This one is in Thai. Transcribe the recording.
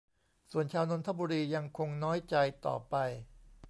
ส่วนชาวนนทบุรียังคงน้อยใจต่อไป